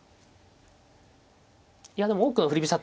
いやでも多くの振り飛車